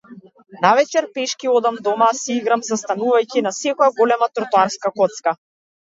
Навечер пешки одам дома, си играм застанувајќи на секоја голема тротоарска коцка.